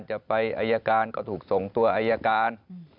จะไปอายการก็ถูกส่งตัวอายการ